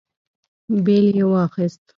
بېل يې واخيست.